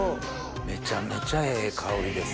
めちゃめちゃええ香りです